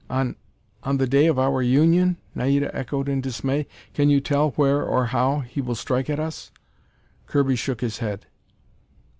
"On on the day of our union?" Naida echoed in dismay. "Can you tell where or how he will strike at us?" Kirby shook his head.